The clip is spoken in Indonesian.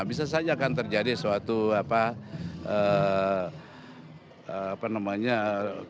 bisa saja akan terjadi suatu kompromi kompromi yang dibangun oleh sotiano fanto